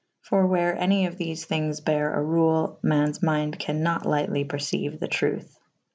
For where any of thefe thynges bere a rule / mannes minde ca« nat lightely p«rceiue' the truthe.